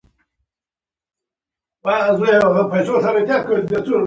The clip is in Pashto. د سبزیجاتو کرنه د غذایي امنیت لپاره مهمه ده.